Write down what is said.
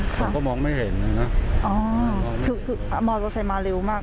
อ๋อค่ะผมก็มองไม่เห็นเลยน่ะอ๋อคือคือมอร์ไซเข้ามาเร็วมาก